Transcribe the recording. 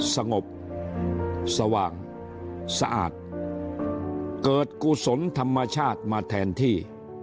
สงบสว่างสะอาดเกิดกุศลธรรมชาติมาแทนที่